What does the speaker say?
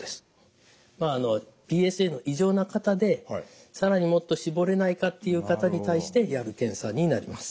ＰＳＡの異常な方で更にもっと絞れないかっていう方に対してやる検査になります。